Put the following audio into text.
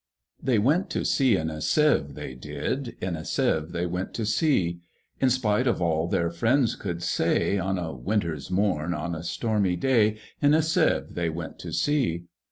They went to sea in a Sieve, they did, In a Sieve they went to sea: In spite of all their friends could say, On a winter's morn, on a stormy day, In a Sieve they went to sea!